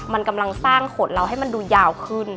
มันกำลังสร้างขนเราให้มันดูยาวขึ้น